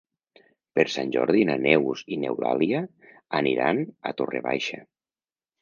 Per Sant Jordi na Neus i n'Eulàlia aniran a Torre Baixa.